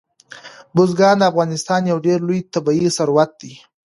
بزګان د افغانستان یو ډېر لوی طبعي ثروت دی.